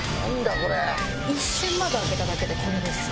一瞬窓開けただけでこれですよ。